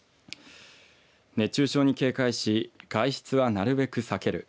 熱中症に警戒し外出は、なるべく避ける。